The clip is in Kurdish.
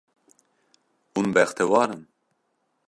Hûn bextewar in?